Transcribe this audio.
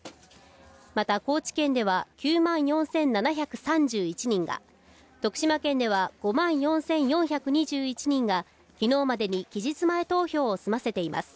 また、高知県では９万４７３１人が、徳島県では５万４４２１人が昨日までに期日前投票を済ませています。